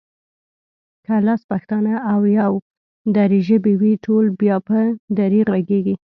که لس پښتانه او يو دري ژبی وي ټول بیا په دري غږېږي